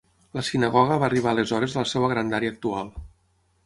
La sinagoga va arribar aleshores a la seva grandària actual.